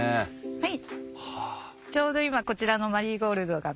はい。